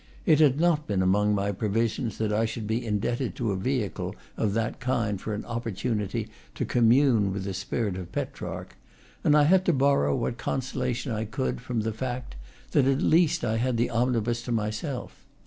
It had not been among my pre visions that I should be indebted to a vehicle of that kind for an opportunity to commune with the spirit of Petrarch; and I had to borrow what consolation I could from the fact that at least I had the omnibus to myself.